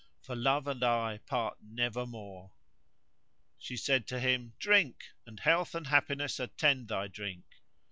for Love and I part nevermore!" She said to him, "Drink; and health and happiness attend thy drink."